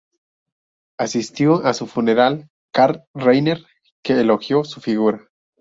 Asistió a su funeral Carl Reiner, que elogió su figura.